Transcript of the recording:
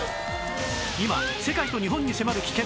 今世界と日本に迫る危険！